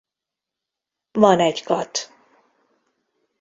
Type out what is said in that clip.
Van egy kath.